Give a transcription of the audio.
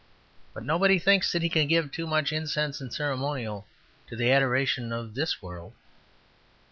But nobody thinks that he can give too much incense and ceremonial to the adoration of this world.